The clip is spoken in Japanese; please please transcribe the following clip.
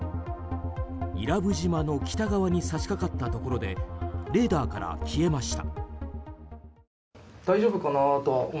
伊良部島の北側に差しかかったところでレーダーから消えました。